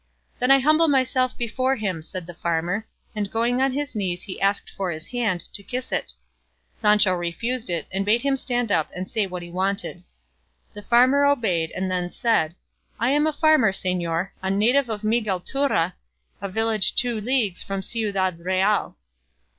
"Then I humble myself before him," said the farmer; and going on his knees he asked for his hand, to kiss it. Sancho refused it, and bade him stand up and say what he wanted. The farmer obeyed, and then said, "I am a farmer, señor, a native of Miguelturra, a village two leagues from Ciudad Real."